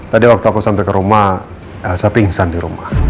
tadi waktu aku sampai ke rumah saya pingsan di rumah